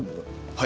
はい。